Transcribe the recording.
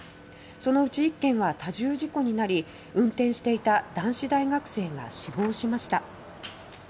そのうち１件は多重事故になり運転していた男子大学生が死亡しました。